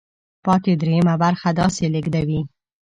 پاتې درېیمه برخه داسې لیږدوي.